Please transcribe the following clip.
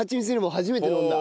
初めて飲んだ。